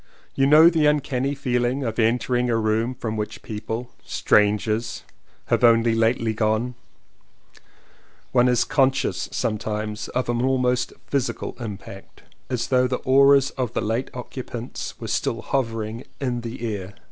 You know the uncanny feeling of entering a room from which people — strangers — have only lately gone: one is conscious sometimes of almost a physical impact as though the auras of the late occupants were still hover ing in the air.